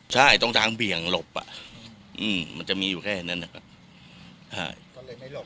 ใช่ตรงทางเบี่ยงหลบอ่ะมันจะมีอยู่แค่นั้นนะครับ